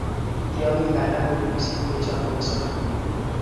tyongik alak kou pusit kochomdos ak biich